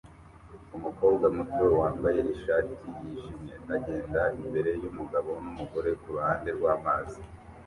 Umukobwa muto wambaye ishati yijimye agenda imbere yumugabo numugore kuruhande rwamazi